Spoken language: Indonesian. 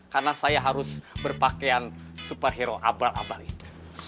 karena saya harus berpakaian superhero abal abal itu